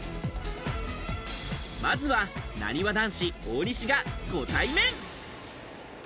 まずは、なにわ男子・大西がご対面。